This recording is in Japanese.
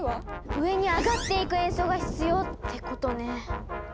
上にあがっていく演奏が必要ってことね。